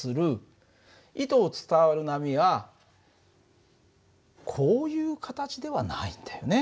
糸を伝わる波はこういう形ではないんだよね。